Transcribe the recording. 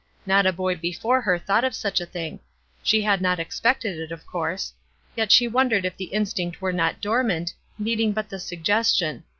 Not a boy before her thought of such a thing. She had not expected it, of course. Yet she wondered if the instinct were not dormant, needing but the suggestion.